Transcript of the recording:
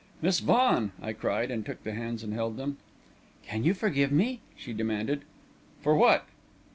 "Miss Vaughan!" I cried, and took the hands and held them. "Can you forgive me?" she demanded. "For what?"